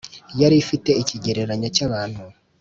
yari ifite ikigereranyo cy' abantu